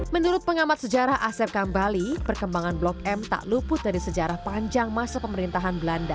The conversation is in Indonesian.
menurut pengamat sejarah asep kambali perkembangan blok m tak luput dari sejarah panjang masa pemerintahan belanda